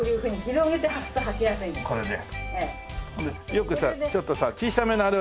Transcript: よくさちょっとさ小さめのあれを。